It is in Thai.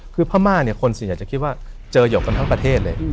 คือพม่าเนี่ยคนส่วนใหญ่จะคิดว่าเจอหยกกันทั้งประเทศเลย